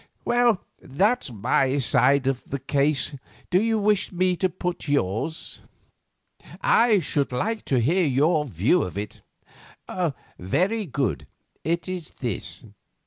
Well, that's my side of the case. Do you wish me to put yours?" "I should like to hear your view of it." "Very good, it is this.